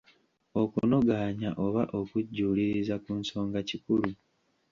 Okunogaanya oba okujjuuliriza ku nsonga kikulu.